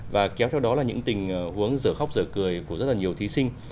và kéo theo đó là những tình huống giờ khóc giờ cười của rất là nhiều thí sinh